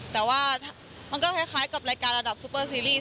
แต่ว่ามันก็คล้ายกับรายการระดับซูเปอร์ซีรีส์